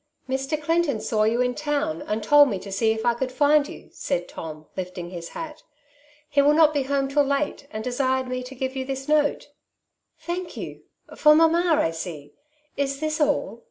^' Mr. Clinton saw you in town, and tiold me to see if I could find you/' said Tom, lifting his hat. " He will not be home till late, and desired me to giye you this note.'' " Thank you ! For mamma, I see. Is this all